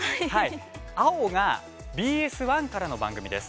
青がＢＳ１からの番組です。